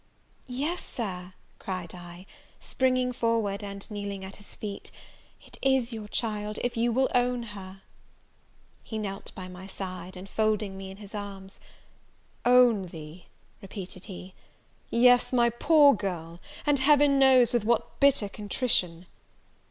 "Yes, Sir," cried I, springing forward, and kneeling at his feet, "it is your child, if you will own her!" He knelt by my side, and, folding me in his arms, "Own thee," repeated he, "yes, my poor girl, and Heaven knows with what bitter contrition!"